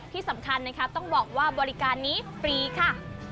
ที่สำคัญนะคะต้องบอกว่าบริการนี้ฟรีค่ะ